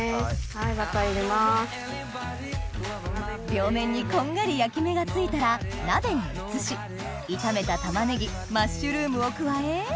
両面にこんがり焼き目がついたら鍋に移し炒めたタマネギマッシュルームを加ええ